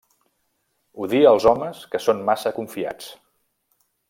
Odia els homes que són massa confiats.